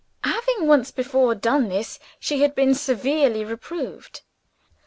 Having once before done this, she had been severely reproved.